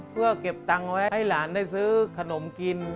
เพื่อเก็บตังค์ไว้ให้หลานได้ซื้อขนมกิน